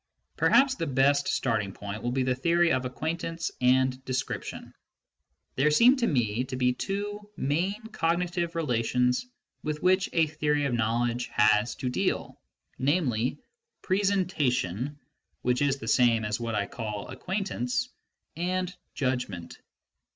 Perhaps the best starting point will be the theory of acquaintance and description. There seem to me to be two main cognitive relations vdth which a theory of knowledge has to deal, namely presentation (which is the same as what I call acquaintance), and Judgment.